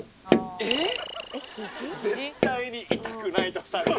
ええ？絶対に痛くないとされるとこ。